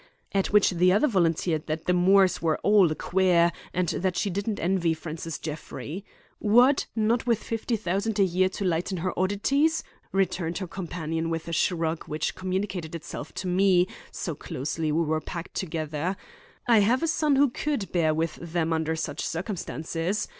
At which the other volunteered that the Moores were all queer, and that she didn't envy Francis Jeffrey. 'What! not with fifty thousand a year to lighten her oddities?' returned her companion with a shrug which communicated itself to me, so closely were we packed together. 'I have a son who could bear with them under such circumstances.